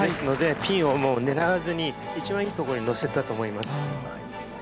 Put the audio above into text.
ピンを狙わずに、一番いいところにのせたと思います。